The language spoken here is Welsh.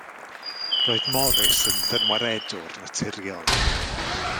Roedd Morris yn ddynwaredwr naturiol.